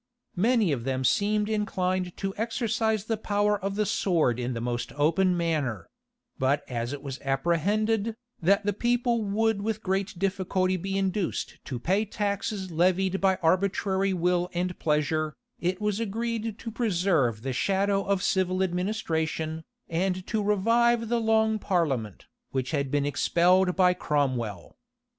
Many of them seemed inclined to exercise the power of the sword in the most open manner; but as it was apprehended, that the people would with great difficulty be induced to pay taxes levied by arbitrary will and pleasure, it was agreed to preserve the shadow of civil administration, and to revive the long parliament, which had been expelled by Cromwell.